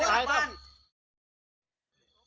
เออไปบ้าน